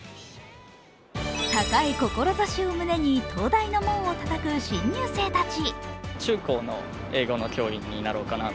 高い志を胸に東大の門をたたく新入生たち。